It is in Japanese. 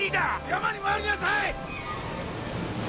山に回りなさい！